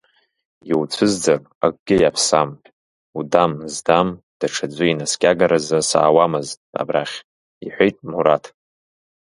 Иуцәызӡар акгьы иаԥсам, удам здам даҽаӡәы инаскьагаразы саауамызт абрахь, — иҳәеит Мураҭ.